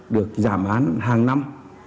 được giảm án hàng năm